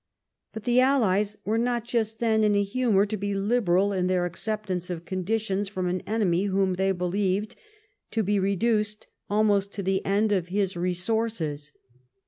But the allies were not just then in a humor to be liberal in their acceptance of conditions from an enemy whom they believed to be reduced almost to the end of his resources.